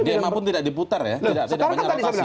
di m a pun tidak diputer ya